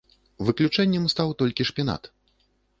Выключэннем стаў толькі шпінат.